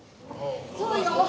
そうよ！